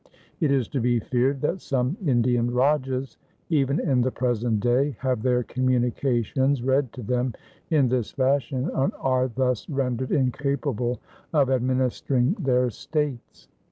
It is to be feared that some Indian Rajas even in the present day have their communications read to them in this fashion, and are thus rendered incapable of administering their states.